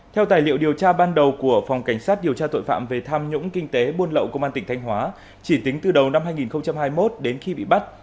theo tài liệu điều tra ban đầu của phòng cảnh sát điều tra tội phạm về tham nhũng kinh tế buôn lậu công an tỉnh thanh hóa chỉ tính từ đầu năm hai nghìn hai mươi một đến khi bị bắt